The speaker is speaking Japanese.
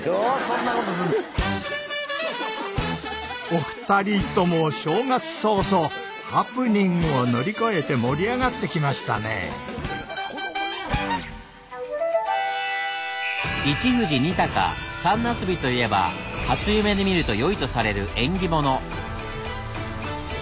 お二人とも正月早々ハプニングを乗り越えて盛り上がってきましたね。といえば初夢で見るとよいとされる縁起物。